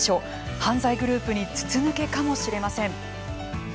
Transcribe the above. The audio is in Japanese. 犯罪グループに筒抜けかもしれません。